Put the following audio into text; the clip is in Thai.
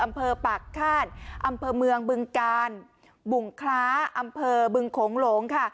อำเภอปากฆาตอำเภอเมืองบึงกาลบุงคล้าอำเภอบึงโขงหลงค่ะ